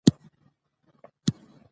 او د لوړو افکارو مشر په توګه،